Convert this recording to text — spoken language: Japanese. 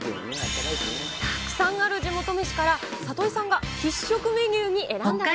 たくさんある地元飯から、里井さんが必食メニューに選んだのは。